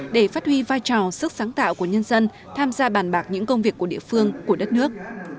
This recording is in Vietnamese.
để phát huy vai trò sức sáng tạo của nhân dân tham gia bàn bạc những công việc của địa phương của đất nước